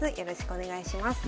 お願いします。